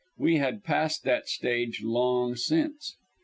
We had passed that stage long since.